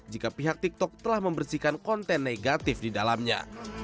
jika pihak tiktok telah membersihkan konten negatif di dalamnya